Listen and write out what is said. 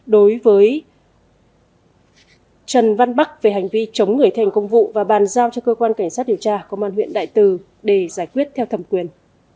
đối với trần văn bắc về hành vi chống người thi hành công vụ và bàn giao cho cơ quan cảnh sát điều tra công an huyện đại từ để giải quyết theo thẩm quyền